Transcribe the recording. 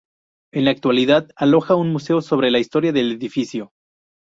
En la actualidad aloja un museo sobre la historia del edificio.